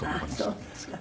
あっそうですか。